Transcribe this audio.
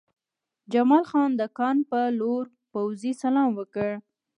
جمال خان د کان په لور پوځي سلام وکړ